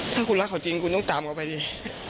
ถ้าคุณรักเขาจริงคุณต้องตามเขาไปดิ